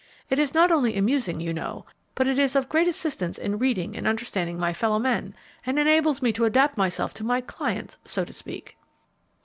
It is not only amusing, you know, but it is of great assistance in reading and understanding my fellow men, and enables me to adapt myself to my clients, so to speak."